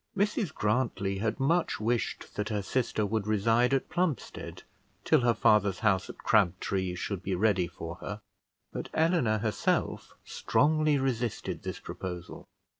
Mrs Grantly had much wished that her sister would reside at Plumstead, till her father's house at Crabtree should be ready for her; but Eleanor herself strongly resisted this proposal.